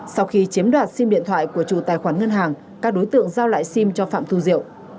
sau khi chiếm đoạt sim điện thoại của chủ tài khoản ngân hàng các đối tượng giao lại sim cho phạm thu diệu